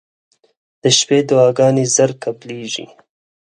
• د شپې دعاګانې زر قبلېږي.